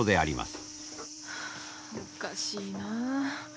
おかしいなあ。